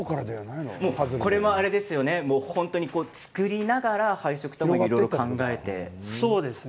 これも作りながら配色とかいろいろ考えてそうですね